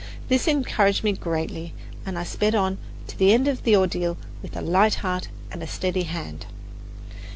This encouraged me greatly, and I sped on to the end of the ordeal with a light heart and a steady hand.